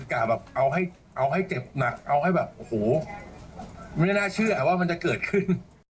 กะแบบเอาให้เจ็บหนักเอาให้แบบโอ้โหไม่น่าเชื่อว่ามันจะเกิดขึ้น